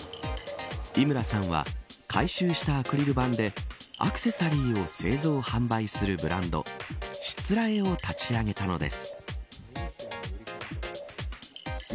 井村さんは回収したアクリル板でアクセサリーを製造販売するブランドＳＨＩＴＳＵＲＡＥを立ち上げたのです。